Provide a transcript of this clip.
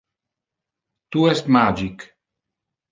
Tu es magic.